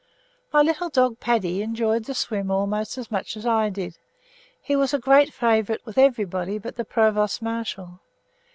My little dog Paddy enjoyed the swim almost as much as I did. He was a great favourite with everybody but the Provost Martial.